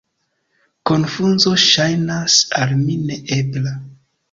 Konfuzo ŝajnas al mi ne ebla.